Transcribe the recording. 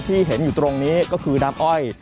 ที่เห็นอยู่ตรงนี้ก็คือน้ำอ้อย